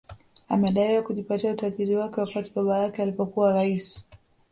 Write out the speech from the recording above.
Amedaiwa kujipatia utajiri wake wakati baba yake alipokuwa rais